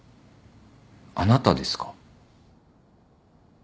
あなたですか？